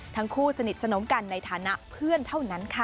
ทั้งคู่สนิทสนมกันในฐานะเพื่อนเท่านั้นค่ะ